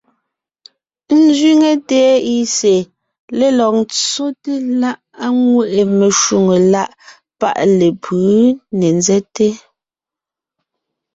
Ńzẅíŋe TIC lélɔg ńtsóte láʼ léŋweʼe meshwóŋè láʼ páʼ lepʉ̌ ne ńzɛ́te.